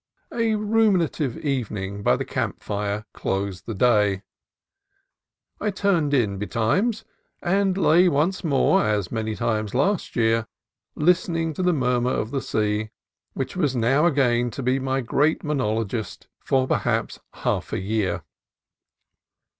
A ruminative evening by the camp fire closed the day. I turned in betimes, and lay once more, as many times last year, listening to the murmur of the sea, which was now again to be my great monologuist for perhaps half a year.